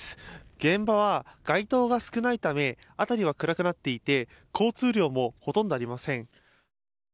現場は街灯が少ないため辺りは暗くなっていて交通量もほとんどありません。